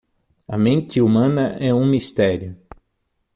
A mente humana é um mistério